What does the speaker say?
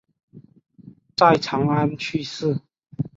在长安去世。